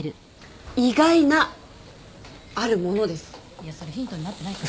いやそれヒントになってないから。